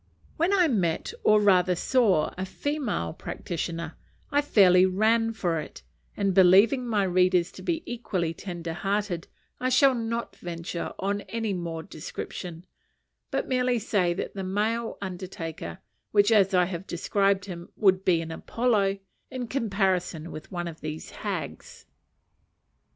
When I met, or rather saw, a female practitioner, I fairly ran for it; and, believing my readers to be equally tender hearted, I shall not venture on any more description, but merely say that the male undertaker, such as I have described him, would be an Apollo, in comparison with one of these hags.